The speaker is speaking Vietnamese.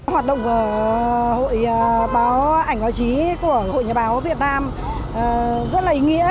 hoạt động của hội báo ảnh báo chí của hội nhà báo việt nam rất là ý nghĩa